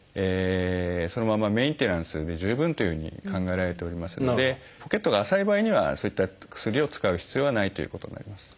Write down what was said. そのままメンテナンスで十分というふうに考えられておりますのでポケットが浅い場合にはそういった薬を使う必要はないということになります。